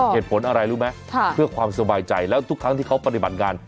เหตุผลอะไรรู้ไหมเพื่อความสบายใจแล้วทุกครั้งที่เขาปฏิบัติงาน